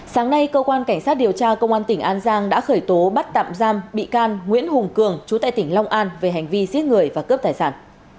sáng nay cơ quan cảnh sát điều tra công an tỉnh an giang đã khởi tố bắt tạm giam bị can nguyễn hùng cường chú tại tỉnh long an về hành vi giết người và cướp tài sản